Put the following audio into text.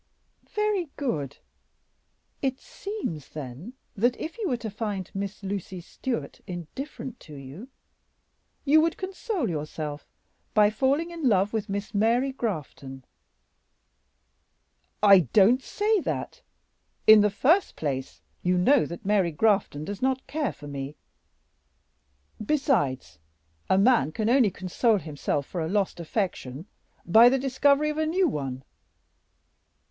"Very good; it seems, then, that if you were to find Miss Lucy Stewart indifferent to you, you would console yourself by falling in love with Miss Mary Grafton." "I don't say that; in the first place, you know that Mary Grafton does not care for me; besides, a man can only console himself for a lost affection by the discovery of a new one.